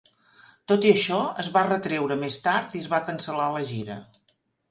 Tot i això, es va retreure més tard i es va cancel·lar la gira.